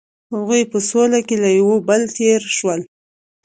هغوی په سوله کې له یو بل تیر شول.